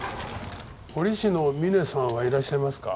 彫師の峰さんはいらっしゃいますか？